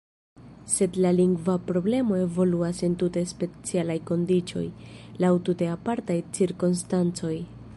Sed la lingva problemo evoluas en tute specialaj kondiĉoj, laŭ tute apartaj cirkonstancoj.